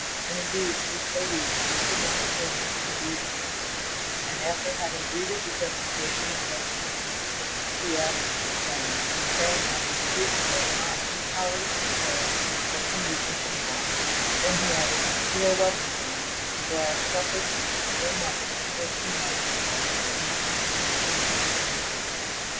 And indeed he was so weak that he could not stand to hear the sentence, and after having greeted the deputation that death sent to him, he asked to sit down, saying that he did so not from cowardice of soul but from weakness of body; then he added, "You are welcome, gentlemen; far I have suffered so much for fourteen months past that you come to me as angels of deliverance."